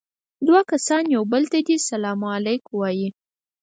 دوه کسان يو بل ته دې سلام عليکم ووايي.